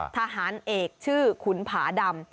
ทหารเอกชื่อขุนผาดำ